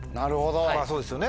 まぁそうですよね。